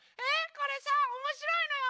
これさおもしろいのよ！